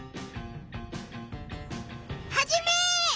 ハジメ！